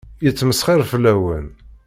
Yettmesxiṛ fell-awen.